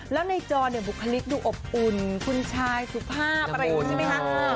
และในจอบุคลิกดูอบอุ่นฮุนชายสุภาพอะไรอยู่ใช่มั้ยฮนะ